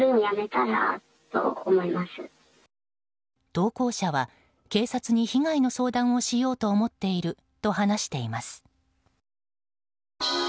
投稿者は、警察に被害の相談をしようと思っていると話しています。